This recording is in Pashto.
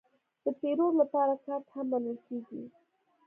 د پیرود لپاره کارت هم منل کېږي.